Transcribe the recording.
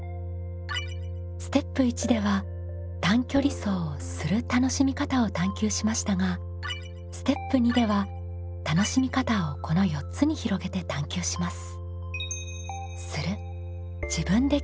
ステップ１では短距離走を「する」楽しみ方を探究しましたがステップ２では楽しみ方をこの４つに広げて探究します。